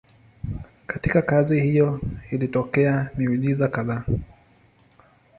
Katika kazi hiyo ilitokea miujiza kadhaa.